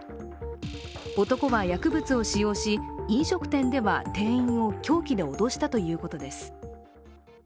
男は薬物を使用し、飲食店では店員を凶器で脅したということです。